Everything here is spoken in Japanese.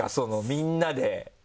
みんなで。